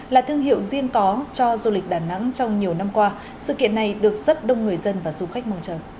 là thương hiệu riêng có cho du lịch đà nẵng trong nhiều năm qua sự kiện này được rất đông người dân và du khách mong chờ